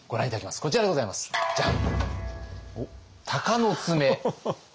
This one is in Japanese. こちらでございますジャン！